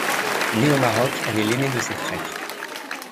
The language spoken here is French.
Née au Maroc, elle est l'aînée de ses frères.